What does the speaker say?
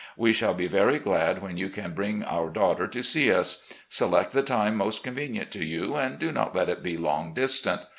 We shall be very glad when you can bring our daughter to see us. Select the time most convenient to you, and do not let it be long distant.